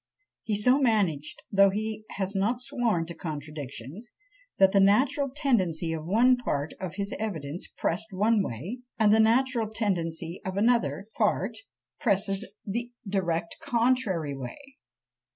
He so managed, though he has not sworn to contradictions, that the natural tendency of one part of his evidence presses one way, and the natural tendency of another part presses the direct contrary way.